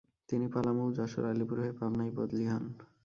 তিনি পালামৌ, যশোর, আলিপুর হয়ে পাবনায় বদলি হন।